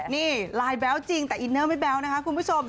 นี่ไลน์แบ๊วจริงแต่อินเนอร์ไม่แบ๊วนะคะคุณผู้ชม